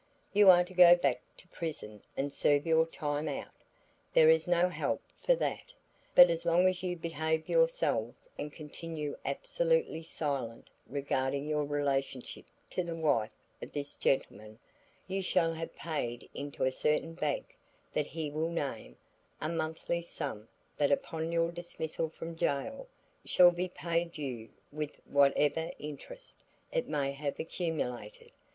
You are to go back to prison and serve your time out, there is no help for that, but as long as you behave yourselves and continue absolutely silent regarding your relationship to the wife of this gentleman, you shall have paid into a certain bank that he will name, a monthly sum that upon your dismissal from jail shall be paid you with whatever interest it may have accumulated.